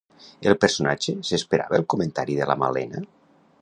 El personatge s'esperava el comentari de la Malena?